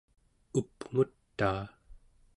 up'ngutaa